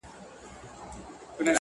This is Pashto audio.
پر اوښتي تر نیوي وه زیات کلونه!